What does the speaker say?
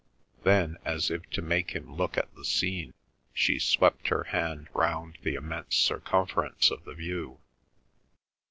Then, as if to make him look at the scene, she swept her hand round the immense circumference of the view.